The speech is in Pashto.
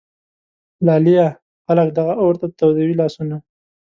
لالیه ! خلک دغه اور ته تودوي لاسونه